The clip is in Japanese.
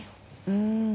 うん。